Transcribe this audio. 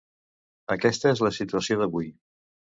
Aquesta és la situació d’avui.